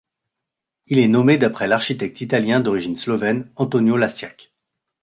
Il est nommé d'après l'architecte italien d'origine slovène Antonio Lasciac.